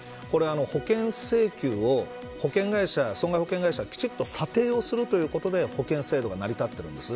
保険請求を、損害保険会社がきちんと査定することで保険制度が成り立っているんです。